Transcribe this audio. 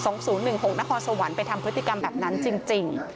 ๒๐๑๖นครสวรรค์ไปทำพฤติกรรมแบบนั้นจริง